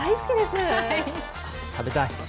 食べたい。